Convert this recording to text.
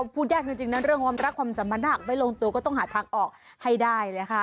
พูดแยกจริงเรื่องว่ารักความสามารถถ้าอาจไม่ลงตัวก็ต้องหาทางออกให้ได้เลย